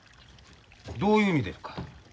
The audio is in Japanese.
どういう意味でっか。